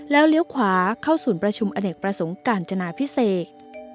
แล้วเลี้ยวขวาเข้าศูนย์ประชุมอเนกประสงค์กาญจนาพิเศษ